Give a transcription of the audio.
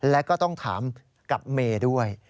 และก็ต้องถามกับเมย์ด้วย